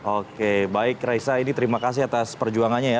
oke baik raisa ini terima kasih atas perjuangannya ya